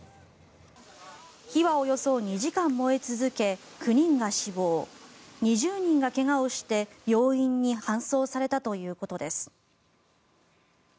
火はおよそ２時間燃え続け９人が死亡２０人が怪我をして、病院に搬送されたということです。